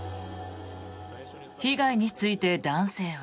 被害について男性は。